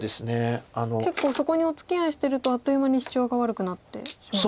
結構そこにおつきあいしてるとあっという間にシチョウが悪くなってしまうと。